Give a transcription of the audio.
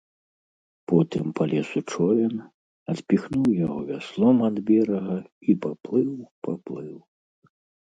Потым палез у човен, адпіхнуў яго вяслом ад берага і паплыў, паплыў.